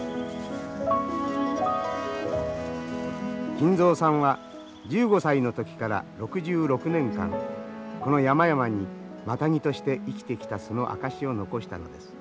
金蔵さんは１５歳の時から６６年間この山々にマタギとして生きてきたその証しを残したのです。